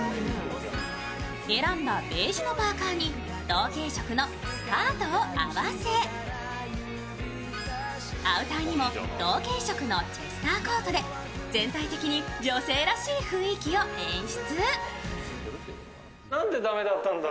選んだベージュのパーカに同系色のスカートを合わせアウターにも同系色のチェスターコートで全体的に女性らしい雰囲気を演出。